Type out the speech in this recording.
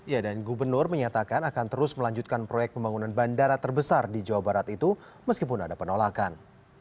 ya dan gubernur menyatakan akan terus melanjutkan proyek pembangunan bandara terbesar di jawa barat itu meskipun ada penolakan